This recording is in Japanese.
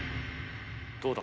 どうだ？